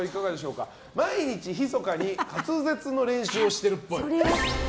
毎日ひそかに滑舌の練習をしてるっぽい。